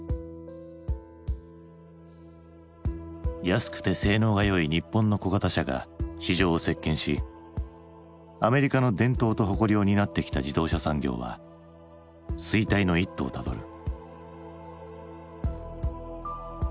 安くて性能が良い日本の小型車が市場を席けんしアメリカの伝統と誇りを担ってきた自動車産業は衰退の一途をたどる。